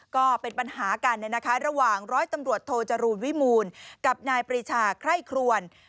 ก็เป็นปัญหากันระหว่างร้อยตำรวจโทจรูลวิมูลกับนายปรีชาไคร่ครวน